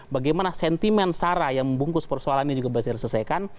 bagaimana sentimen sara yang membungkus persoalan ini juga bisa diselesaikan